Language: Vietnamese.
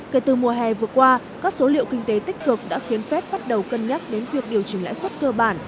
kể từ mùa hè vừa qua các số liệu kinh tế tích cực đã khiến phép bắt đầu cân nhắc đến việc điều chỉnh lãi suất cơ bản